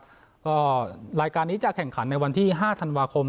แล้วก็รายการนี้จะแข่งขันในวันที่๕ธันวาคม